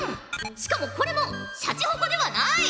しかもこれもシャチホコではない！